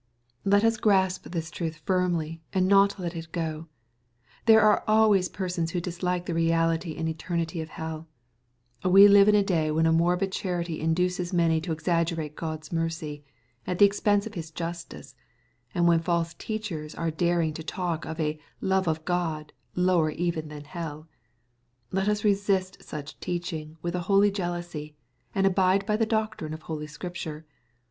Let us grasp this truth firmly, and not let it go. There are always persons who dislike the reality and eternity of hell>j We live in a day when a morbid charity induces mauy to exaggerate Q od's mercy, at the expense of His justice, and when false teachers are daring to talk of a " love of God, lower even than helL" Let us resist such teaching with a holy jealousy, and abide by the doctrine of Holy Scripture.